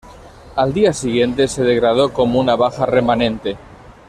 Al día siguiente, se degradó como un baja remanente.